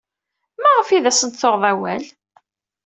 Maɣef ay asent-tuɣed awal?